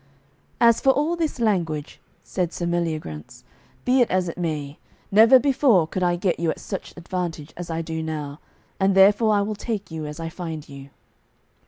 "As for all this language," said Sir Meliagrance, "be it as it may, never before could I get you at such advantage as I do now, and therefore I will take you as I find you."